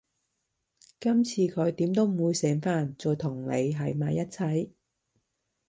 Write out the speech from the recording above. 今次佢點都會醒返，再同你喺埋一齊